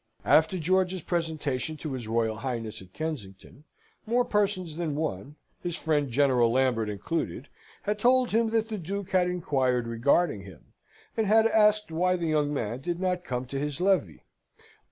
After George's presentation to his Royal Highness at Kensington, more persons than one, his friend General Lambert included, had told him that the Duke had inquired regarding him, and had asked why the young man did not come to his levee.